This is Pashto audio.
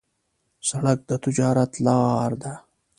سړک د تجارت لار ده.